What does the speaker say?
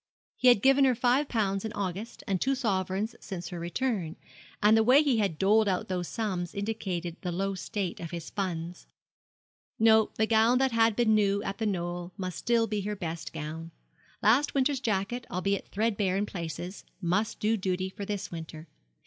He had given her five pounds in August, and two sovereigns since her return, and the way he had doled out those sums indicated the low state of his funds. No, the gown that had been new at The Knoll must still be her best gown. Last winter's jacket, albeit threadbare in places, must do duty for this winter.